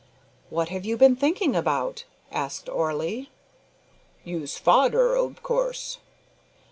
"What have you been thinking about?" asked Orley. "Yous fadder, ob course."